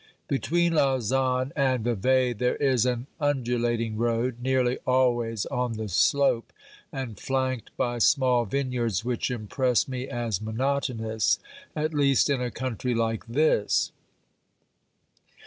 Between Lausanne and Vevey there is an undulating road, nearly always on the slope, and flanked by small vineyards which impress me as monotonous, at least in a country like this.